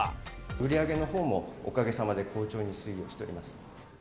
売り上げのほうもおかげさまで好調に推移をしております。